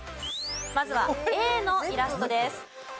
まずはＡのイラストです。